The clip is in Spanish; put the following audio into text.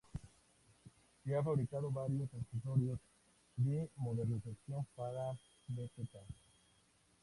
Se han fabricado varios accesorios de modernización para el Vz.